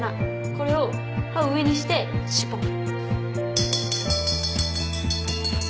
これを刃を上にしてシュポン！